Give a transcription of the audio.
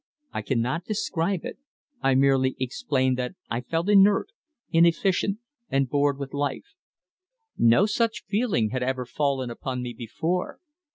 I cannot describe it; I merely explain that I felt inert, inefficient, and bored with life. No such feeling had ever fallen upon me before.